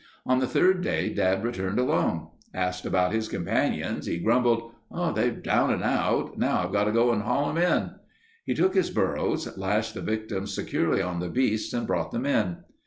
On the third day Dad returned alone. Asked about his companions, he grumbled: "They're down and out. Now I've got to haul 'em in." He took his burros, lashed the victims securely on the beasts and brought them in.